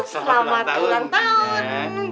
selamat bulan tahun